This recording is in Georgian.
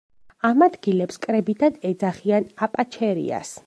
ამ ადგილებს კრებითად ეძახიან აპაჩერიას.